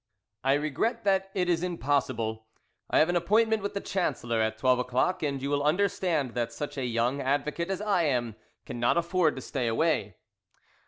"I regret that it is impossible; I have an appointment with the Chancellor at twelve o'clock, and you will understand that such a young advocate as I am cannot afford to stay away."